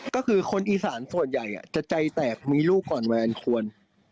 ก็คือคนอีสานส่วนใหญ่จะใจแตกมีลูกก่อนแวนควร